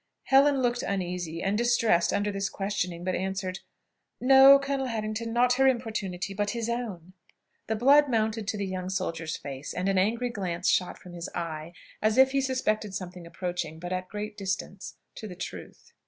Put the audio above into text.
Helen looked uneasy and distressed under this questioning, but answered, "No, Colonel Harrington; not her importunity, but his own." The blood mounted to the young soldier's face, and an angry glance shot from his eye, as if he suspected something approaching but at great distance to the truth.